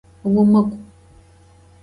Vumık'u!